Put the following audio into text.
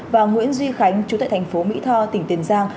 và nguyễn duy khánh chủ tịch thành phố mỹ tho tỉnh tiền giang